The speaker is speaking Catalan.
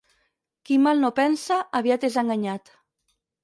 Qui mal no pensa, aviat és enganyat.